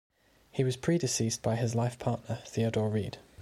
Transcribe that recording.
He was predeceased by his life partner, Theodore Reid.